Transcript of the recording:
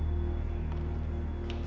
tentang apa yang terjadi